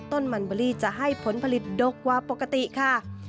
ต้นมันเบอรี่จะให้ผลผลิตดกกว่าปกติค่ะ